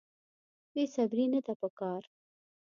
بې صبري نه ده په کار.